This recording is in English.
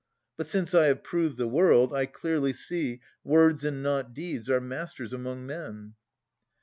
But since I have proved the world, I clearly see Words and not deeds are masters among men.